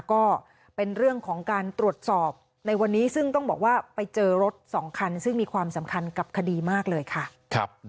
ก็เป็นเรื่องของการตรวจสอบในวันนี้ซึ่งต้องบอกว่าไปเจอรถสองคันซึ่งมีความสำคัญกับคดีมากเลยค่ะ